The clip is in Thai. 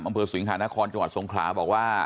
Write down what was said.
อำเภอสิงหานครจังหวัดสงขลาบอกว่า